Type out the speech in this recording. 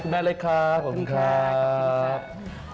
คุณแม่เล็กครับขอบคุณครับขอบคุณครับขอบคุณครับขอบคุณครับ